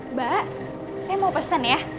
mbak saya mau pesen ya